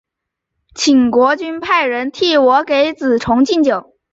请国君派人替我给子重进酒。